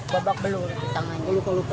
babak belul luka luka